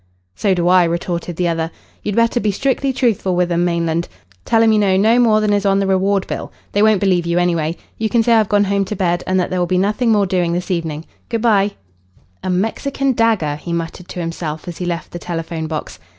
"So do I," retorted the other. "You'd better be strictly truthful with 'em, Mainland. Tell 'em you know no more than is on the reward bill. They won't believe you, anyway. You can say I've gone home to bed, and that there will be nothing more doing this evening. Good bye." "A Mexican dagger," he muttered to himself as he left the telephone box.